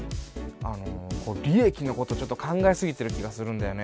あのこう利益のことをちょっと考えすぎてる気がするんだよね。